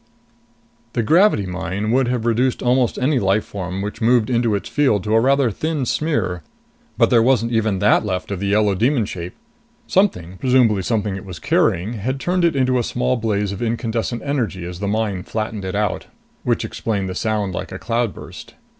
The gravity mine would have reduced almost any life form which moved into its field to a rather thin smear, but there wasn't even that left of the yellow demon shape. Something, presumably something it was carrying, had turned it into a small blaze of incandescent energy as the mine flattened it out. Which explained the sound like a cloudburst.